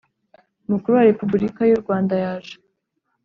Mukuru wa Repubulika y u Rwanda yaje